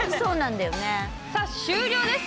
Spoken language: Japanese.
さあ、終了です。